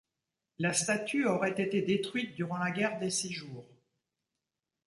La statue aurait été détruite en durant la Guerre des Six Jours.